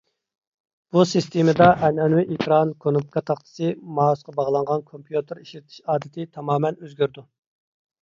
بۇ سىستېمىدا ئەنئەنىۋى ئېكران، كونۇپكا تاختىسى، مائۇسقا باغلانغان كومپيۇتېر ئىشلىتىش ئادىتى تامامەن ئۆزگىرىدۇ.